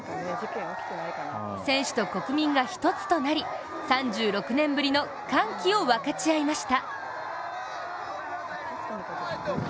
選手と国民が一つとなり３６年ぶりの歓喜を分かち合いました。